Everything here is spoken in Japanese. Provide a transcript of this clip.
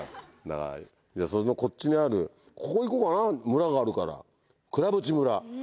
だからこっちにあるここ行こうかな村があるから倉渕村。